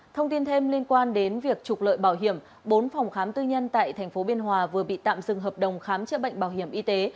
thông tin thêm liên quan đến việc trục lợi bảo hiểm bốn phòng khám tư nhân tại tp biên hòa vừa bị tạm dừng hợp đồng khám chữa bệnh bảo hiểm y tế